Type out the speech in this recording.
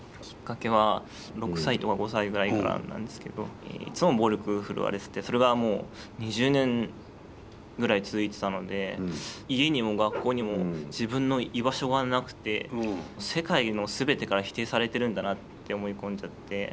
きっかけは６歳とか５歳ぐらいからなんですけどいつも暴力振るわれててそれがもう２０年ぐらい続いてたので家にも学校にも自分の居場所がなくて世界の全てから否定されてるんだなって思い込んじゃって。